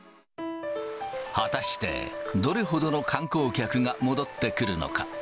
果たして、どれほどの観光客が戻ってくるのか。